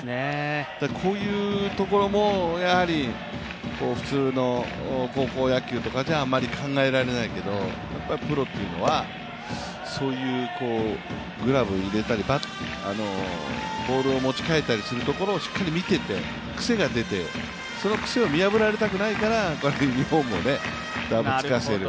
こういうところも普通の高校野球とかじゃあまり考えられないけれどもプロというのはそういうグラブ入れたりボールを持ち替えたりするところをしっかり見てて、癖が出て、その癖を見破られたくないからユニフォームをだぶつかせる。